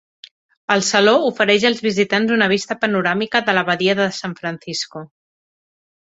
El saló ofereix als visitants una vista panoràmica de la badia de San Francisco.